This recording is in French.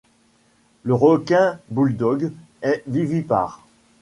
Le requin-bouledogue est vivipare.